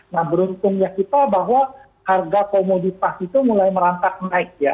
nah beruntungnya kita bahwa harga komoditas itu mulai merantak naik ya